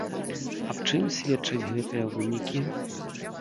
Аб чым сведчаць гэтыя вынікі?